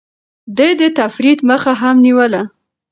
ده د تفريط مخه هم نيوله.